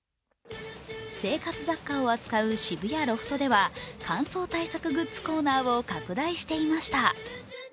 生活雑貨を扱う渋谷ロフトでは乾燥対策グッズコーナーを拡大していました。